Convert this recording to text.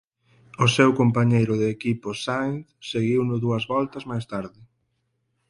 O seu compañeiro de equipo Sainz seguiuno dúas voltas máis tarde.